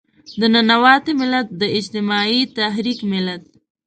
د ننواتې ملت، د اجتماعي تحرک ملت.